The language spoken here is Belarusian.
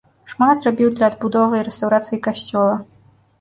Шмат зрабіў для адбудовы і рэстаўрацыі касцёла.